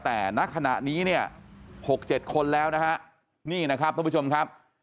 แต่ณขณะนี้เนี่ย๖๗คนแล้วนะฮะนี่นะครับท่านผู้ชมครับ